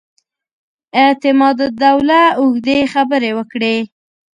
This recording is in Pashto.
اعتماد الدوله اوږدې خبرې وکړې.